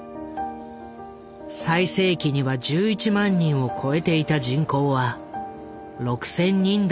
最盛期には１１万人を超えていた人口は６，０００人台にまで減少。